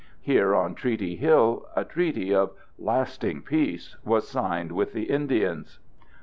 Here on Treaty Hill a treaty of "lasting peace" was signed with the Indians.